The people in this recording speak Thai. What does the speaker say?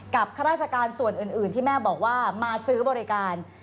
ข้าราชการส่วนอื่นที่แม่บอกว่ามาซื้อบริการ